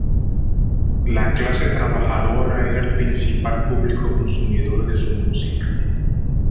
La clase trabajadora era el principal público consumidor de su música.